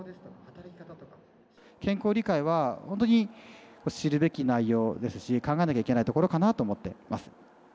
健康理解は本当に知るべき内容ですし、考えなきゃいけないところかなと。